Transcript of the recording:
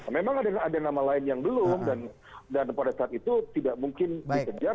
memang ada nama lain yang belum dan pada saat itu tidak mungkin dikejar